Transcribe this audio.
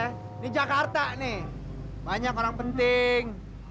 ini jakarta nih banyak orang penting